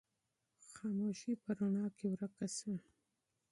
خاموشي په رڼا کې ورکه شوه.